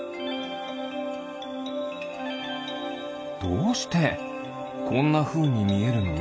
どうしてこんなふうにみえるの？